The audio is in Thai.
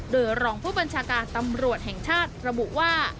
โดยรองผู้บัญชาการตำรวจแห่งชาติระบุว่า